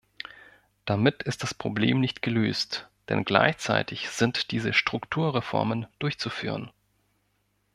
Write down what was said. Damit ist das Problem nicht gelöst, denn gleichzeitig sind diese Strukturreformen durchzuführen.